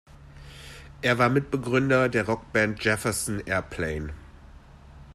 Er war Mitbegründer der Rockband Jefferson Airplane.